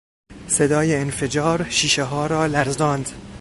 صدای انفجار شیشهها را لرزاند.